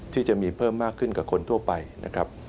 ที่จะมีเพิ่มมากขึ้นกับคนทั่วไปนะครับ